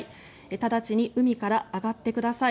直ちに海から上がってください。